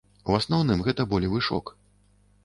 У асноўным, гэта болевы шок.